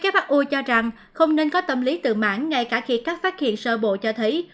who cho rằng không nên có tâm lý tự mãn ngay cả khi các phát hiện sơ bộ cho thấy